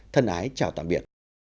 thân ái chào tạm biệt